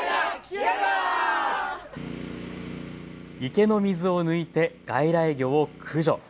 池の水を抜いて外来魚を駆除。